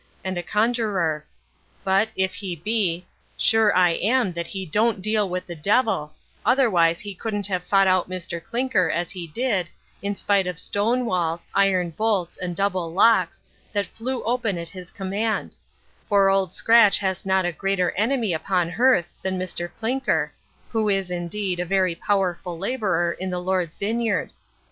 and a congeror: but, if he be, sure I am he don't deal with the devil, otherwise he couldn't have fought out Mr Clinker, as he did, in spite of stone walls, iron bolts, and double locks, that flew open at his command; for ould Scratch has not a greater enemy upon hearth than Mr Clinker, who is, indeed, a very powerful labourer in the Lord's vineyard.